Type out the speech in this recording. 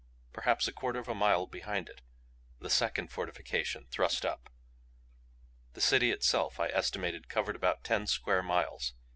Perhaps a quarter of a mile behind it the second fortification thrust up. The city itself I estimated covered about ten square miles.